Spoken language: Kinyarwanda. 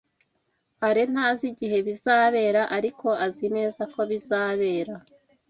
Alain ntazi igihe bizabera, ariko azi neza ko bizabera.